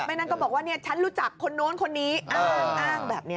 นั่นก็บอกว่าเนี่ยฉันรู้จักคนนู้นคนนี้อ้างแบบนี้